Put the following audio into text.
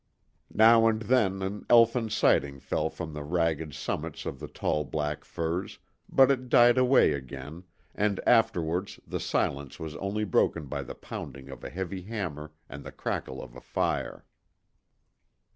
Now and then an elfin sighing fell from the ragged summits of the tall black firs, but it died away again, and afterwards the silence was only broken by the pounding of a heavy hammer and the crackle of a fire.